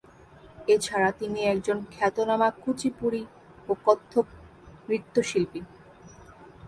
এছাড়া তিনি একজন খ্যাতনামা কুচিপুড়ি ও কত্থক নৃত্যশিল্পী।